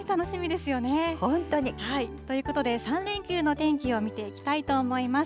本当に。ということで３連休の天気を見ていきたいと思います。